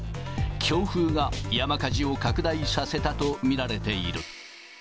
強風が山火事を拡大させたと見られている。